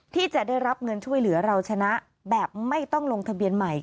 ที่จะได้รับเงินช่วยเหลือเราชนะแบบไม่ต้องลงทะเบียนใหม่